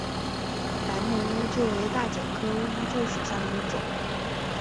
白木乌桕为大戟科乌桕属下的一个种。